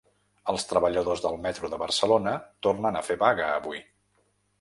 Els treballadors del metro de Barcelona tornen a fer vaga avui.